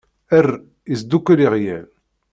"Err!" isdukkel iɣwyal.